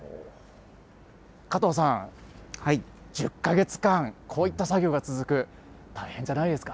加藤さん、１０か月間、こういった作業が続く、大変じゃないですか。